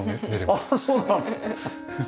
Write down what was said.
ああそうなんだ。